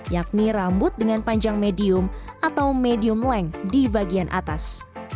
yakni rambut dengan panjang medium atau medium leng di bagian atas